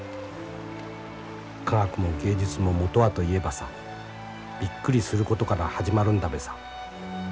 科学も芸術も元はといえばさビックリすることから始まるんだべさ。